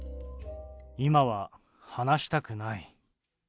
今は話したくない。